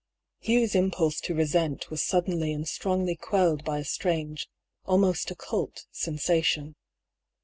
Hugh's impulse to resent was suddenly and strongly quelled by a strange, almost occult, sensation.